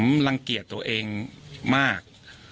ผมรังเกียจตัวเองมาก